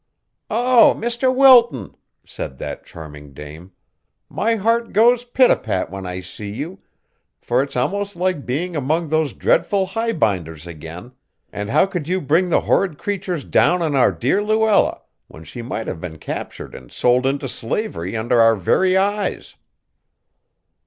"Oh, Mr. Wilton," said that charming dame, "my heart goes pit a pat when I see you, for it's almost like being among those dreadful highbinders again, and how could you bring the horrid creatures down on our dear Luella, when she might have been captured and sold into slavery under our very eyes."